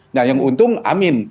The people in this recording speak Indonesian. nah yang untung amin